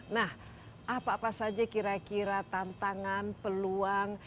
nah apa apa saja kira kira tantangan peluang